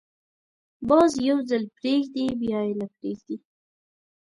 باز یو ځل پرېږدي، بیا یې نه پریږدي